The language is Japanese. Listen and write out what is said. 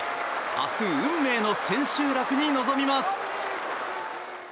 明日、運命の千秋楽に臨みます。